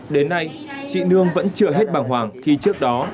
đến nay chị nương vẫn chưa hết bằng hoàng khi trước đó